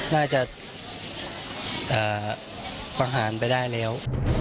น่าจะประหารไปได้แล้ว